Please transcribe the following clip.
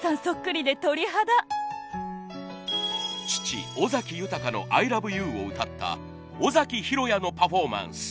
父尾崎豊の『ＩＬＯＶＥＹＯＵ』を歌った尾崎裕哉のパフォーマンス。